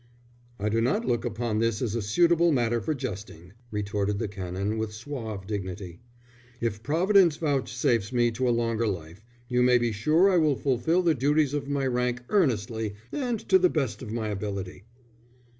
"I do not look upon this as a suitable matter for jesting," retorted the Canon, with suave dignity. "If Providence vouchsafes to me a longer life, you may be sure I will fulfil the duties of my rank earnestly and to the best of my ability."